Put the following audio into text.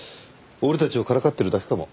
俺たちをからかってるだけかも。